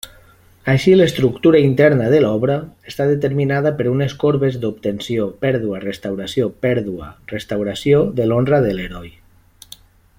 Així, l'estructura interna de l'obra està determinada per unes corbes d'obtenció–pèrdua–restauració–pèrdua–restauració de l'honra de l'heroi.